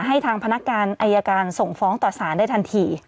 ทางพนักงานอายการส่งฟ้องต่อสารได้ทันที